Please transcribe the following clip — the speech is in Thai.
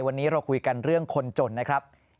วันนี้เราคุยกันเรื่องคนจนนะครับ